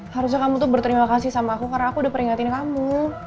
harusnya kamu tuh berterima kasih sama aku karena aku udah peringatin kamu